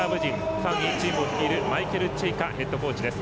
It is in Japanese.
さらに、チームを率いるマイケル・チェイカヘッドコーチです。